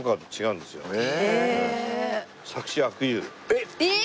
えっ！？えっ！？